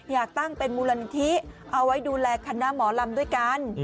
อยากตั้งเป็นมูลนิธิเอาไว้ดูแลคณะหมอลำด้วยกัน